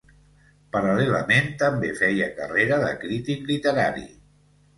Paral·lelament, també feia carrera de crític literari.